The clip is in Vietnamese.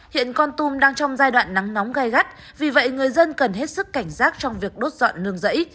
hiện con tum đang trong giai đoạn nắng nóng gai gắt vì vậy người dân cần hết sức cảnh giác trong việc đốt dọn nương rẫy